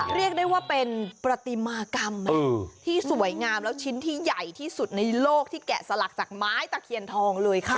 เรียกได้ว่าเป็นประติมากรรมที่สวยงามแล้วชิ้นที่ใหญ่ที่สุดในโลกที่แกะสลักจากไม้ตะเคียนทองเลยค่ะ